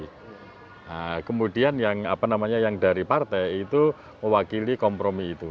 nah kemudian yang apa namanya yang dari partai itu mewakili kompromi itu